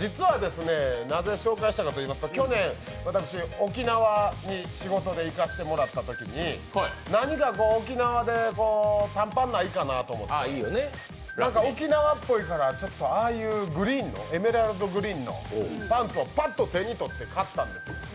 実はなぜ紹介したかといいますと去年、私、沖縄に仕事で行かせてもらったときに何か沖縄で短パンないかなと思って、沖縄っぽいから、ああいうエメラルドグリーンのパンツをぱっと手に取って買ったんです。